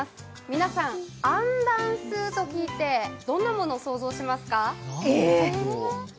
皆さん、アンダンスーと聞いてどんなものを想像しますか？